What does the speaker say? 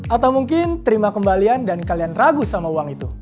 atau mungkin terima kembalian dan kalian ragu sama uang itu